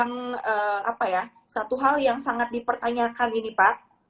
nah pak satu hal yang sangat dipertanyakan ini pak